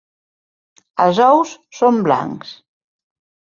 Els ous són blancs.